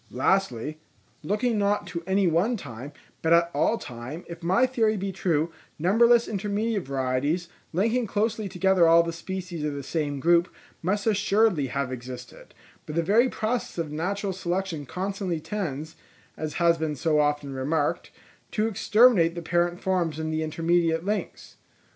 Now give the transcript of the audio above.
Lastly, looking not to any one time, but at all time, if my theory be true, numberless intermediate varieties, linking closely together all the species of the same group, must assuredly have existed; but the very process of natural selection constantly tends, as has been so often remarked, to exterminate the parent forms and the intermediate links.